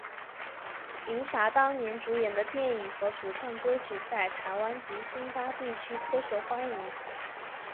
银霞当年主演的电影和主唱歌曲在台湾及星马地区颇受欢迎。